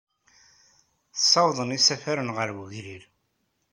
Ssawḍen isafaren ɣer wegrir.